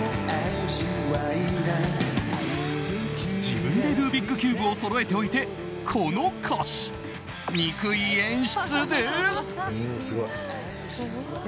自分でルービックキューブをそろえておいてこの歌詞、にくい演出です。